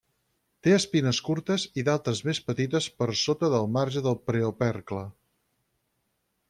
Té espines curtes i d'altres més petites per sota del marge del preopercle.